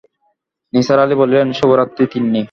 নিসার আলি বললেন, শুভরাত্রি তিন্নি।